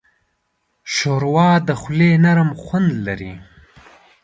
ښوروا د خولې نرم خوند لري.